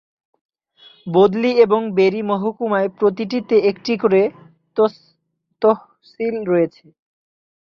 বদলি এবং বেরি মহকুমায় প্রতিটিতে একটি করে তহসিল রয়েছে।